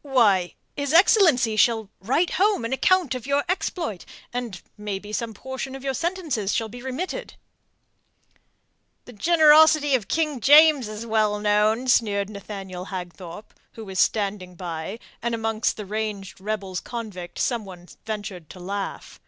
"Why his excellency shall write home an account of your exploit, and maybe some portion of your sentences shall be remitted." "The generosity of King James is well known," sneered Nathaniel Hagthorpe, who was standing by, and amongst the ranged rebels convict some one ventured to laugh.